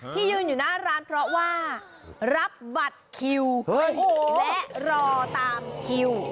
ยืนอยู่หน้าร้านเพราะว่ารับบัตรคิวและรอตามคิว